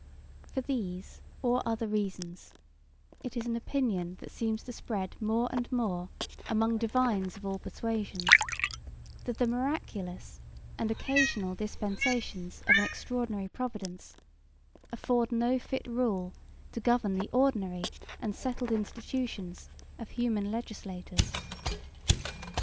For these or other reasons it is an opinion that seems to spread more and more among divines of all persuasions, that the miraculous and occasional dispensations of an extraordinary providence afford no fit rule to govern the ordinary and settled institutions of human legislators.